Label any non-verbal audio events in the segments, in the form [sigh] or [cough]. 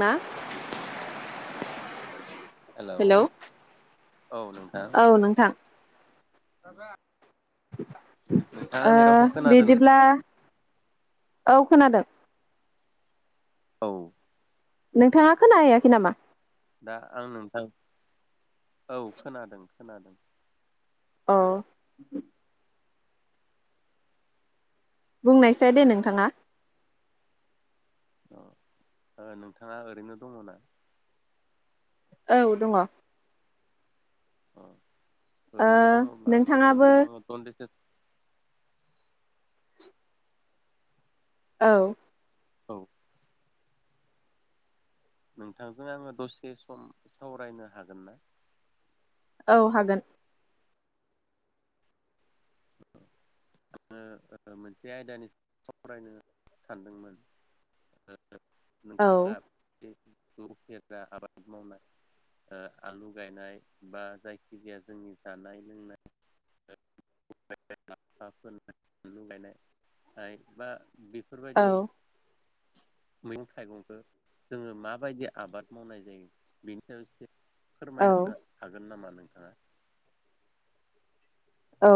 मा हेलौ औ नोंथां औ नोंथां दाबा ओ रावखौ खोनादों बिदिब्ला औ खोनादों औ नोंथाङा खोनाहैयाखै नामा? दा आं नोंथां औ खोनादों खोनादों औ बुंनायसाया दे नोंथाङा औ नोंथाङा ओरैनो दङ ना औ दङ औ ओ ओरैनो दङब्ला नोंथाङाबो नोंथांजों आङो दनदिसे औ औ नोंथांजों आङो दसे सम सावरायनो हागोन ना? औ हागोन आङो मोनसे आयदानि सावरायनो सानदोंमोन ओ औ [unintelligible] उफेरा आबाद मावनाय आलु गायनाय बा जायखिजाया जोंनि जानाय लोंनाय [unintelligible] औ बिफोरबायदि मैगं थाइगंखौ जोङो माबायदि आबाद मावनाय जायो बेनि सायाव एसे औ फोरमायनो हागोन नामा नों ओ औ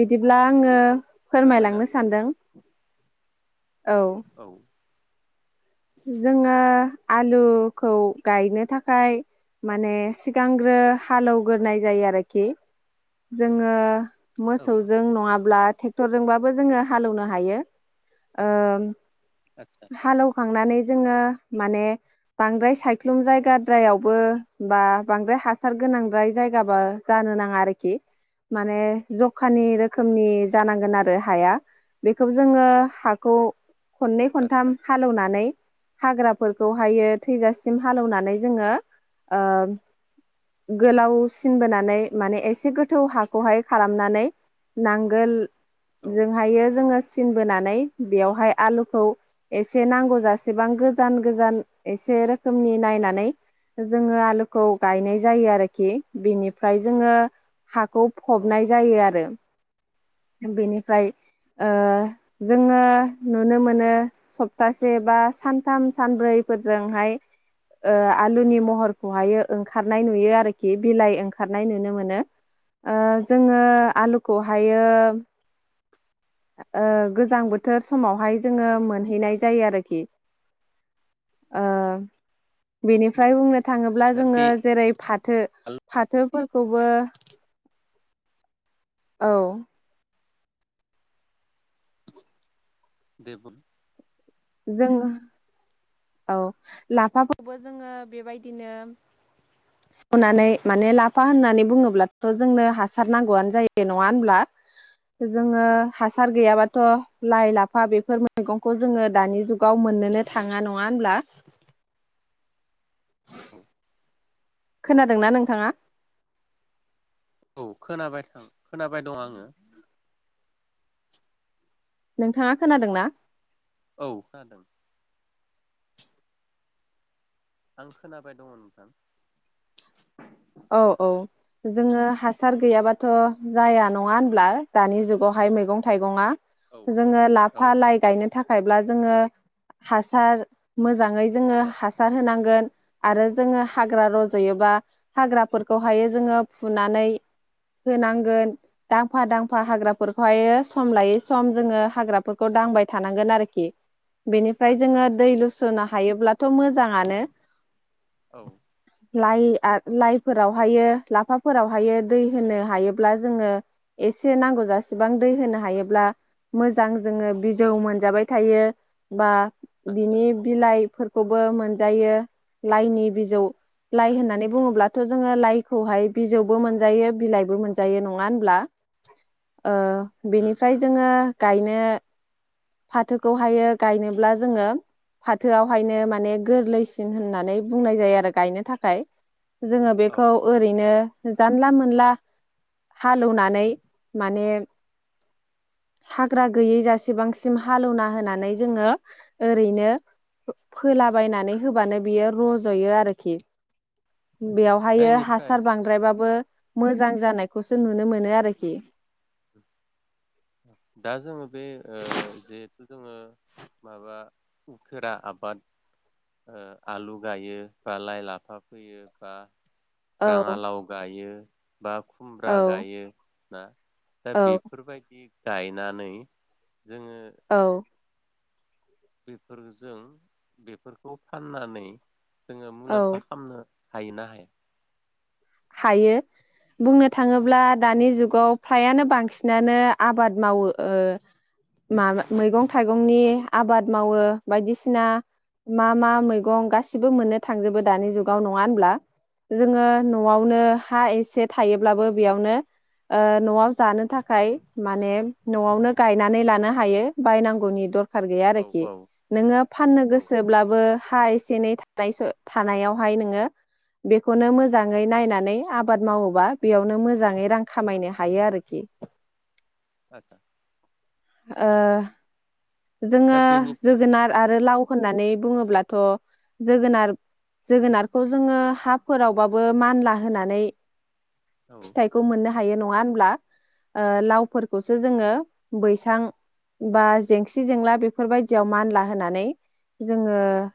बिदिब्ला आङो एसे फोरमायना फोरमायलांनो होनाय सानदों औ जोङो आलुखौ गायनो थाखाय माने सिगांग्रो हालेवग्रोनाय जायो आरोखि जोङो औ मोसौजों नङाब्ला आदसा ट्रेक्टरजोंबा जोंओ हालोवनो हायो आदसा हालौ थांनानै जोङो माने बांद्राय सायख्लुम जायगाद्रायावबो बा बांद्राय हासार गोनांद्राय जायगाबा जानो नाङा आरोखि माने जखानि रोखोमनि जानांगोन आरो हाया बेखौ जोङो हाखौ खननै आदसा खनथाम हालवनानै फाय हाग्राफोरखौहायो थैजासिम हालेवनानै जोङो ओ गोलाव सिन बोनानै माने एसे गोथौ हाखौहाय खालामनानै नांगोल औ जोंहायो जोङो बोनानै बेयावहाय आलुखौ एसे नांगौ जासेबां गोजान गोजान एसे रोखनि नायनानै जोंओ आलुखौ गनाय ज आरोख बेनिफ्राय जोंओ खौ औ फबनाय जायो आरो बेनिफ्राय ओ जोङो नुनो मोनो स एबा सान सानथाम सानब्रै फोरजोंहाय आलुनि महरखौहाय ओंखारनाय नुयो आरोखि बिलाइ ओंखारनाय नुनो मोनो ओ जोङो आलुखौहायो ओ गोजां बोथोर समावहाय जोङो मोनहैनाय जायो आरोखि ओ आदसा बेनिफ्राय बुंनो थाङोब्ला दा जोङो बे जेरै फाथो फाथोफोरखौबो औ देब जों औ लाफाखौबो जोङो बेबायदिनो फचखनानै लाफा होननानै बुङोब्लाथ जोंनो हासार नांगौआनो जायो नङा होनब्ला जोङो हासार गैयाबाथ लाइ लाफा बेफोर मैगंखौ जोङो दानि जुगाव मोननोनो थाङा नङा होनब्ला? औ खोनादोंना नोंथाङा? औ खोनाबाय थां खोनाबाय दं आङो नोंथाङा खोनादोंना? औ खोनादों। आं खोनाबाय दङ नोंथां। औ औ जोङो हासार गैयाबाथ' जाया नङा होनब्ला दानि जुगावहाय मैगं थाइगङा औ औ जोङो औ लाफा लाइ गायनो थाखायब्ला जोड़ो हासार मोजाङै जोङो आदसा हासार होनांगोन आरो जोङो हाग्रा रज'योबा हाग्राफोरखौहाय जोङो फुनानै होनांगोन दांफा दांफा हाग्राफोरखौहाय सम लायै सम जोङो हाग्राफोरखौ दांबाय थानांगोन आरोखि। बेनिफ्राय आदसा जोङो दै लु सुनो हायोब्लाथ' मोजाङानो औ लाइआ लाइफोरावहायो लाफाफोरावहायो दै होनो हायोब्ला जोङो एसे नांगौ जसेबां दै होनो हायोब्ला मोजां जोङो बिजौ मोनजाबाय थायो बा आदसा बिनि बिलाइ फोरखौबो मोनजायो लाइनि बिजौ औ लाइ होननानै बुंङो अब्लाथ' जोङो लाइखौहाय बिजौबो मोनजायो बिलाइबो मोनजायो नङा होनब्ला ओ उम बेनिफ्राय उम जोङो गायनो फाथोखौहायो गायनोब्ला जोङो फाथोआवहायनो माने गोरलैसिन होननानै बुंनाय जायो। आरो गायनो थाखाय जोङो औ बेखौ ओरैनो जानला मोनला हालौनानै माने हाग्रा गैयै जसेबांसिम हालौवना होनानै जोङो ओरैनो फोलाबायनानै होबानो बियो रज'यो आरोखि दा बेवहाय हासार इनिफ्राय बांद्रायबाबो मोजां जानायखौसो नुनो मोनो आरोखि। दा जोङो बे ओ जिहेथु जोङो माबा उखेरा आबाद आलु गायो बा लाइ लाफा फैयो बा औ राङालाव गायो बा खुमब्रा औ गायो। ना? दा औ बेफोरबायदि गायनानै जोङो औ। बेफोरजों बेफोरखौ फाननानै जोङो औ मुलाम्फा खालामनो हायोना हाया? हायो बुंनो थाङोब्ला दानि जुगाव फ्रायानो बांसिनानो आबाद मावो ओ माबा मैगं थाइगंनि आबाद मावो बायदिसिना मा मा मैगं गासिबो मोननो थांजोबो दानि जुगाव नङा होनब्ला जोङो न'आवनो हा एस से थायोब्लाबो औ बेयावनो ओ न'आव जानो थाखाय माने आदसा न'आवनो गायनानै लानो हायो बायनांगौनि दर खार गैया औ आरोखि औ नोङो फाननो औ गोसोब्लाबो हा एसे एनै थानायसो थानायावहाय नोङो बेखौनो मोज जाङै नायनानै आबाद मावोबा बेयावनो मोजाङै रां खामायनो हायो आरोखि। आदसा। ओ जोङो दा बेनिफ्राय जोगोनार आरो लाव होननानै बुङोब्लाथ' जोगोनार जोगोनारखौ जोङो हाफोरावबाबो मानला होनानै औ फिथाइखौ मोननो हायो नंङा होनब्ला उम, ओ लाव फोरखौसो जोङो बैस सां बा जेंसि जेंला बेफोरबायदियाव मानला होनानै जोङो औ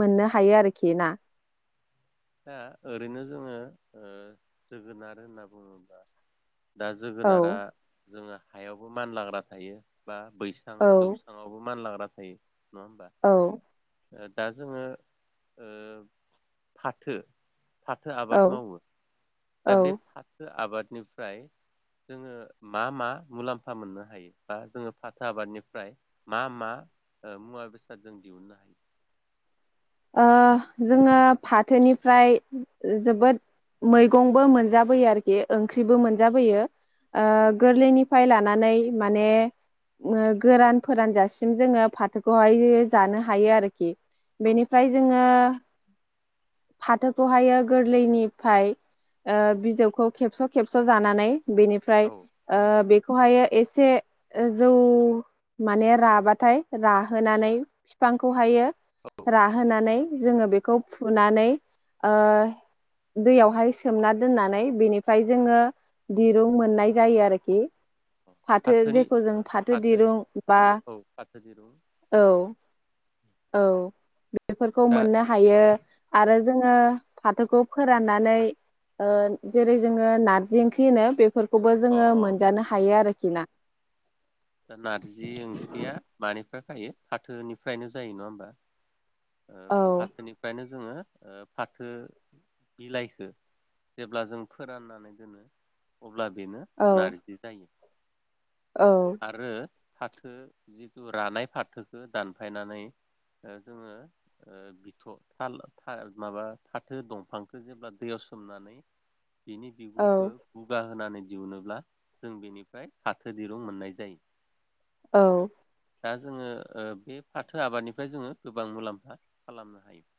मोननो हायो आरोखि ना। दा ओरैनो जोङो ओ जोगोनार होनना बुङोब्ला दा औ जोगोनारा जोङो हायावबो मानलाग्रा थायो बा बैसां औ जौसांआवबो मानला बासै नङा होमबा? औ दा जोङो ओ फाथो फाथो औ आबाद मावो दा बे औ फाथो आबाद निफ्राय जोङो मा मा मुलाम्फा मोननो हायो बा जोङो फाथो आबादनिफ्राय मा मा मुवा बेसाद जों दिहुननो हायो? ओ जोङो फाथोनिफ्राय जोबोद मैगंबो मोनजाबोयो आरोखि ओंख्रिबो मोनजाबोयो औ ओ गोरलैनि फाय लानानै माने गोरान फोरानजासिम जोङो फाथोखौहाय जानो हायो आरोखि। औ। ओ फाथोखौहायो गोरलैनिफ्राय ओ बिजौखौ खेबस' खेबस' जानानै बेनिफ्राय औ ओ बे खौहाय एसे जौ माने राबाथाय राहोनानै फिफांखौहायो। औ राहोनानै जोङो बेखौ फुनानै ओ दैयावहाय सोमना दोननानै बेनिफ्राय जोङो दिरुं मोननाय जायो आरोखि फाथो फाथोनि जेखौ जों फाथो दिरुं बा औ फाथो दिरुं औ औ बेफोरखौ दा मोननो हायो। आरो जोङो फाथोखौ फोराननानै ओ जेरै जोङो नारजि ओंख्रि होनो बेफोर खौबो अ जोङो मोनजानो हायो आरो खिना दा नारजि ओंख्रिया मानि फाय फायो फाथोनिफ्रायनो जायो नङा होमबा ओ औ फाथोनिफ्रायनो जोङो ओ फाथो बिलाइखो जेब्ला जों फोराननानै दोनो अ अब्ला बेनो औ नारजि जायो औ आरो फाथो जिथु रानाय फाथोखौ दानफायनानै ओ जोङो ओ बिथ' थाल था माबा थाथो दंफांखौ जेब्ला दैयाव सोमनानै बिनि औ बिगुरखौ गुगा होनानै दिहुनोब्ला जों बेनिफ्राय फाथो दिरुं मोननाय जायो औ दा जोङो ओ बे फाथो आबादनिफ्राय जोङो गोबां मुलाम फा खालामनो हायो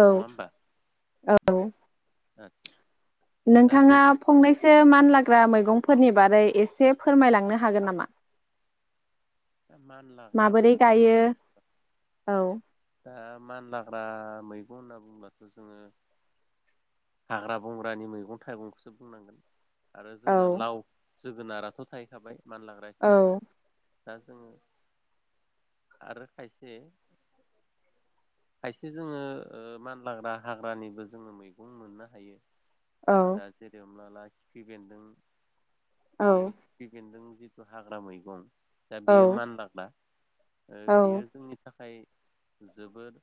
औ नङा औ आ नोंथाङा फंनैसो मान लाग ग्रा मैगंफोरनि बारै एसे फोरमायलांनो हागोन नामा? मानलाग्रा माबोरै मैगं गायो होनना औ दा मानलाग्रा मैगं होनना बुंबाथ' जोङो हाग्रा बंग्रानि मैगं थाइगंखौसो बुंनांगोन आरो जोङो औ लाव जोगोनाराथ' थाहैखाबाय मानलाग्रा हिसाबै औ दा जोङो आरो खायसे खायसे जोङो ओ मानलाग्रा हाग्रानिबो जोङो मैग बुं मोननो हायो औ दा जेरै हमना ला खिफिबेन्दों औ खिफिबेन्दों। जिथु हाग्रा मैगं दा औ बियो मानलाग्रा ओ औ बेयो जोंनि थाखा य जोबोद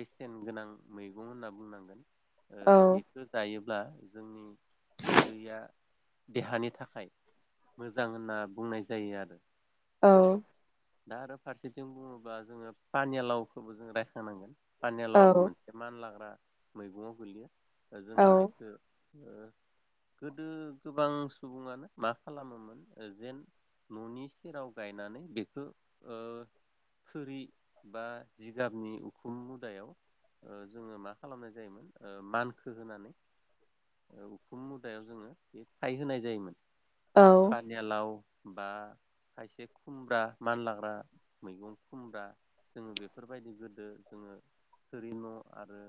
बेसेन गोनां मैगं होनना बुंनांगोन। औ बेखौ जायो ब्ला जोंनि उदैया देहानि थाखाय मोजां होनना बुंनाय जायो आरो। औ।। दा आरो फारसेथिं बुङोबा जोङो पानेलावखौबो जों रायखोनांगोन पानेलावबो औ मोनसे मान लाग्रा मैगंआव गोलियो। जोङो बेखो गोदो गोबां सुबुङानो मा खालामोमोन जेन न'नि सेराव गायनानै बे बेखौ खोरि बा जिगाबनि उखुम मुदायाव जोङो मा खालामनाय जायोमोन मानखो होनानै उखुम मुदायाव जोङो बे थाय होनोनाय जायोमोन। औ पानेलाव। बा खायसे खुमब्रा मानलाग्रा मैगं खुमब्रा जों बेफोरबायदि गोदो जोङो थोरि न' आरो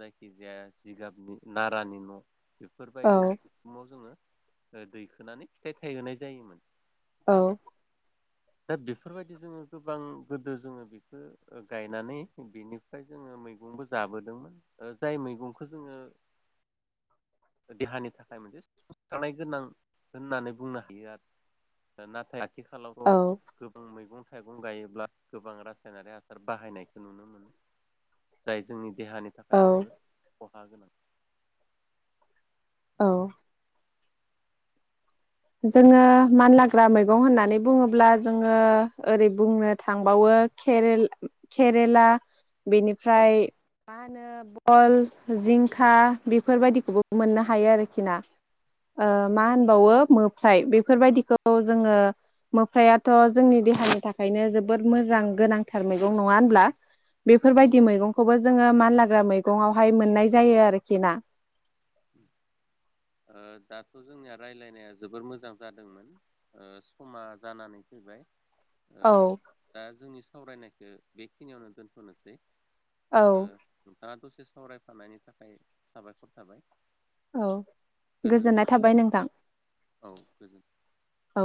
जायखिजाया जिगाबनि नारानि न' बेफोरबायदि उखुमाव जोङो दैखोनानै फिथाइ थायहोनाय जायोमोन। औ। दा बेफोरबायदि जोङो गोबां गोदो जोङो बेखौ गायनानै बिनिफ्राय जोङो मैगंबो जाबोदोंमोन जाय मैगंखो जोङो देहानि थाखाय मोनसे सुसारनाय गोनां होननानै बुंनो हायो आरो दा नाथाय औ आथिखालावथ' गोबां मैगं थाइगं गायोब्ला गोबां रासायनारि हासार बाहायनायखौ नुनो मोनो जाय जोंनि देहानि थाखाय औ जोबोद ख हा गोनां। औ। जोङो मानलाग्रा मैगं होननानै बुङोब्ला जोङो ओरै बुंनो थांबावो केरेल केरेला औ बेनिफ्राय मा होनो भल जिंखा बेफोरबायदिखौबो मोननो हायो आरोखि ना मा होनबावो मोफ्राय बेफोरबायदिखौ जोङो मोफ्रायाथ' जोंनि देहानि थाखायनो जोबोद मोजां गोनांथार मैगं नङा होनब्ला बेफोरबायदि मैगंखौबो जोङो मानलाग्रा मैगंआवहाय मोननाय जायो आरोखि ना। ओ दाथ' जोंनिया रायलायनाया जोबोर मोजां जादोंमोन ओ समा जानानै फैबाय। ओ औ दा जोंनि सावरायनाय बेखिनियावनो दोनथनोसै। औ ओ दा दसे सम सावरायफानायनि थाखाय साबायखर थाबाय। औ। गोजोननाय गोजोन्थों थाबाय नोंथां औ गोजोन्थों औ।